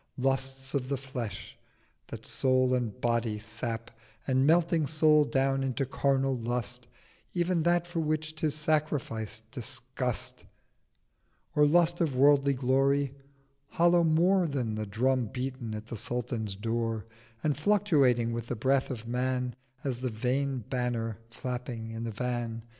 Lusts of the Flesh that Soul and Body sap, And, melting Soul down into carnal Lust, Ev'n that for which 'tis sacrificed disgust: Or Lust of worldly Glory—hollow more Than the Drum beaten at the Sultan's Door, And fluctuating with the Breath of Man 880 As the Vain Banner flapping in the Van.